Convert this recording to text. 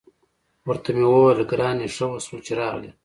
ورته مې وویل: ګرانې، ښه وشول چې راغلې.